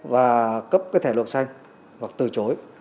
và cấp thẻ luận xanh hoặc từ chối